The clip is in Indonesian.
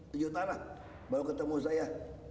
sejuta lah baru ketemu saya